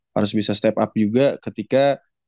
harus bisa step up juga ketika